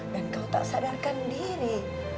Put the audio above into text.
dan kau tak sadarkan diri